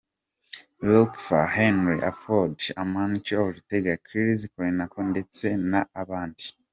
Rockefeller, Henry Ford , Amancio Ortega , Kirk Kerkorian ndetse n’ abandi.